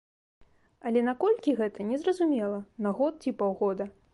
Але на колькі гэта, незразумела, на год ці паўгода.